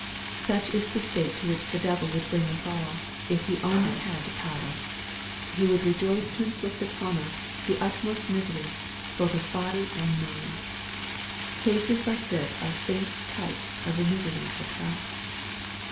Such is the state to which the devil would bring us all, if he only had the power. He would rejoice to inflict upon us the utmost misery, both of body and mind. Cases like this are faint types of the miseries of hell.